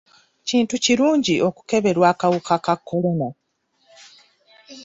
Kintu kirungi okukeberwa akawuka ka kolona.